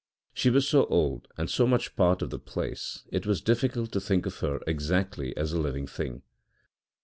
She was so old and so much a part of the place, it was difficult to think of her exactly as a living thing.